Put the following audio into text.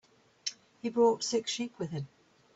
He brought six sheep with him.